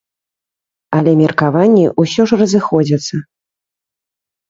Але меркаванні ўсё ж разыходзяцца.